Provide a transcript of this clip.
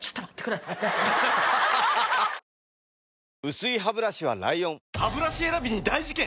薄いハブラシは ＬＩＯＮハブラシ選びに大事件！